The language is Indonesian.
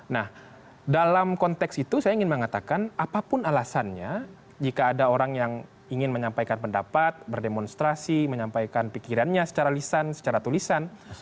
nah dalam konteks itu saya ingin mengatakan apapun alasannya jika ada orang yang ingin menyampaikan pendapat berdemonstrasi menyampaikan pikirannya secara lisan secara tulisan